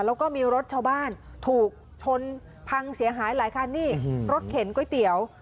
แล้วก็มีรถชาวบ้านถูกชนพังเสียหายหลายคันนี่รถเข็นก๋วยเตี๋ยว